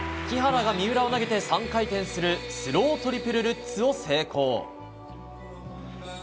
木原が三浦を投げて３回転するスロートリプルルッツを成功。